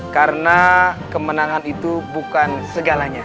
karena kemenangan itu bukan segalanya